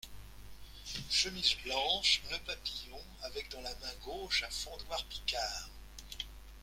chemise blanche, nœud papillon, avec dans la main gauche un fendoir picard.